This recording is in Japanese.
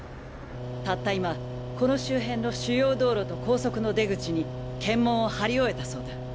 たった今この周辺の主要道路と高速の出口に検問を張り終えたそうだ。